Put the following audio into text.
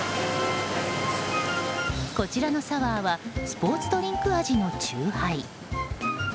こちらのサワーはスポーツドリンク味の酎ハイ。